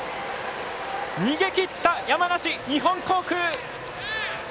逃げきった、山梨・日本航空。